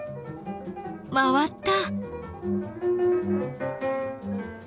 回った！